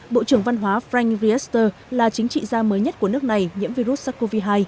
bộ trưởng văn hóa frank riester là chính trị gia mới nhất của nước này nhiễm virus sars cov hai